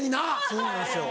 そうなんですよ。